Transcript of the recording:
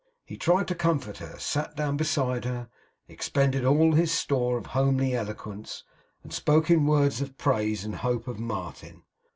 He tried to comfort her; sat down beside her; expended all his store of homely eloquence; and spoke in words of praise and hope of Martin.